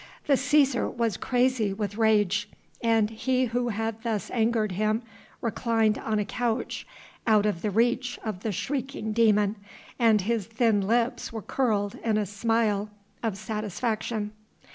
The Cæsar was crazy with rage, and he who had thus angered him reclined on a couch, out of the reach of the shrieking demon, and his thin lips were curled in a smile of satisfaction.